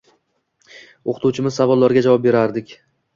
O‘qituvchimiz savollariga javob berardik.